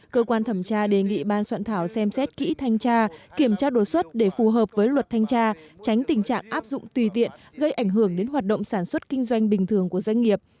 cơ quan thẩm tra đề nghị ban soạn thảo xem xét kỹ thanh tra kiểm tra đột xuất để phù hợp với luật thanh tra tránh tình trạng áp dụng tùy tiện gây ảnh hưởng đến hoạt động sản xuất kinh doanh bình thường của doanh nghiệp